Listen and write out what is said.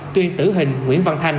tuyên tử hình nguyễn văn thanh